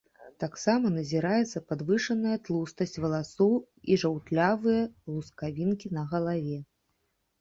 Таксама назіраецца падвышаная тлустасць валасоў і жаўтлявыя лускавінкі на галаве.